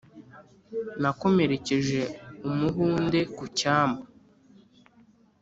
nakomerekeje umuhunde ku cyambu,